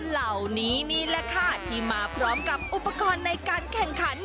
เหล่านี้นี่แหละค่ะที่มาพร้อมกับอุปกรณ์ในการแข่งขัน